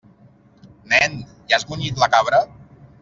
Nen, ja has munyit la cabra?